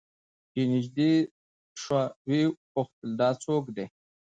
چې رانژدې سوه ويې پوښتل دا څوك دى؟